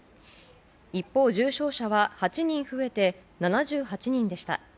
一方、重症者は８人増えて７８人でした。